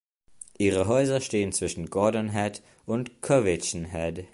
Ihre Häuser stehen zwischen Gordon Head und Cowichan Head.